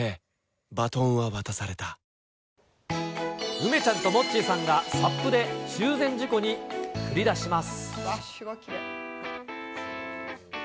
梅ちゃんとモッチーさんがサップで中禅寺湖に繰り出します。